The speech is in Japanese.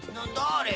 あれ。